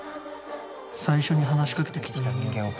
最初に話しかけてきた人間を。